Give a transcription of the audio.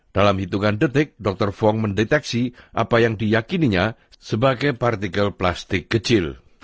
dalam hitungan detik dokter feng mendeteksi apa yang diyakininya sebagai partikel plastik kecil